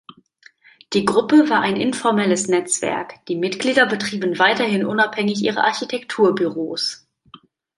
Die Gruppe war ein informelles Netzwerk, die Mitglieder betrieben weiterhin unabhängig ihre Architekturbüros.